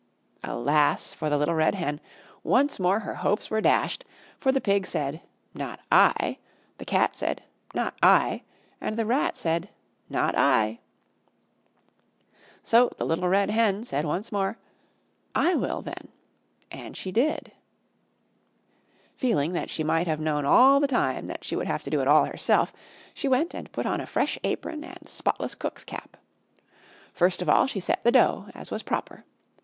Alas for the Little Red Hen! Once more her hopes were dashed! For the Pig said, "Not I," the Cat said, "Not I," and the Rat said, "Not I." So the Little Red Hen said once more, "I will then," and she did. Feeling that she might have known all the time that she would have to do it all herself, she went and put on a fresh apron and spotless cook's cap. First of all she set the dough, as was proper.